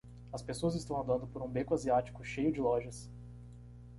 As pessoas estão andando por um beco asiático cheio de lojas.